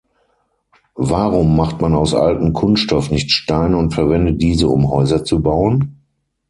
Warum macht man aus alten Kunststoff nicht Steine und verwendet diese, um Häuser zu bauen?